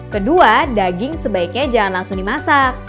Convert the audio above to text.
kedua daging sebaiknya jangan langsung dimasak